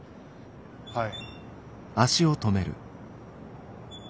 はい。